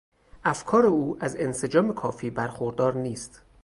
افکار او از انسجام کافی برخوردار نیست.